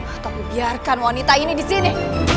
atau biarkan wanita ini di sini